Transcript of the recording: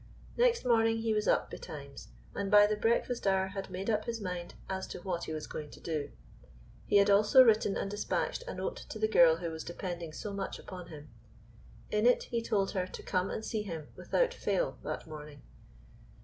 Next morning he was up betimes, and by the breakfast hour had made up his mind as to what he was going to do. He had also written and dispatched a note to the girl who was depending so much upon him. In it he told her to come and see him without fail that morning.